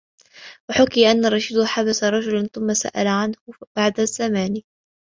وَحُكِيَ أَنَّ الرَّشِيدَ حَبَسَ رَجُلًا ثُمَّ سَأَلَ عَنْهُ بَعْدَ زَمَانٍ